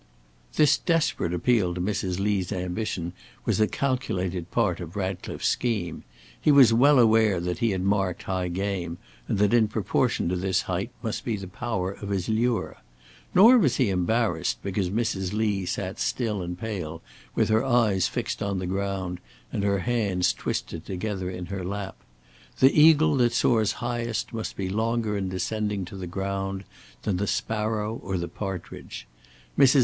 This desperate appeal to Mrs. Lee's ambition was a calculated part of Ratcliffe's scheme. He was well aware that he had marked high game, and that in proportion to this height must be the power of his lure. Nor was he embarrassed because Mrs. Lee sat still and pale with her eyes fixed on the ground and her hands twisted together in her lap. The eagle that soars highest must be longer in descending to the ground than the sparrow or the partridge. Mrs.